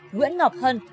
nguyễn ngọc hân